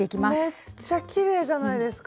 めっちゃきれいじゃないですか？